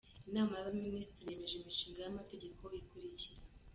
Inama y’Abaminisitiri yemeje Imishinga y’Amategeko ikurikira: